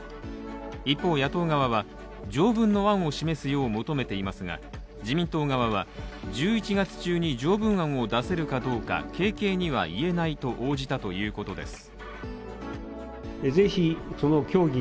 一方、野党側は条文の案を示すよう求めていますが自民党側は、１１月中に条文案を出せるかどうか軽々には言えないと応じたということです。